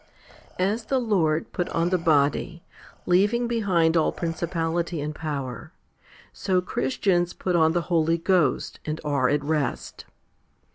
15. As the Lord put on the body, leaving behind all principality and power, so Christians put on the Holy Ghost, and are at rest.